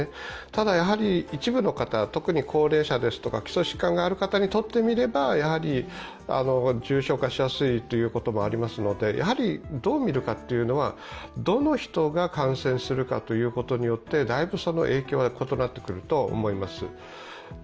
ただ、一部の方、特に高齢者ですとか基礎疾患がある方にとってみれば重症化しやすいということもありますので、どう見るかというのはどの人が感染するかということによって、だいぶ影響が異なってくると思います。